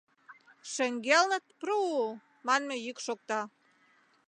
Шеҥгелне «тпру-у» манме йӱк шокта.